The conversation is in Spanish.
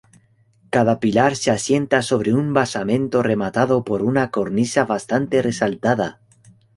Cada pilar se asienta sobre un basamento rematado por una cornisa bastante resaltada.